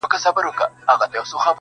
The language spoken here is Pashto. پرزولي یې شاهان او راجاګان وه-